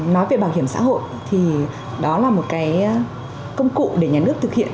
nói về bảo hiểm xã hội thì đó là một cái công cụ để nhà nước thực hiện